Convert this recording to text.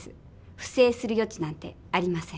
不正するよ地なんてありません。